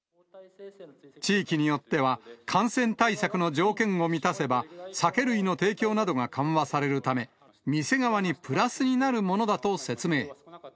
地域によっては、感染対策の条件を満たせば、酒類の提供などが緩和されるため、店側にプラスになるものだと説明。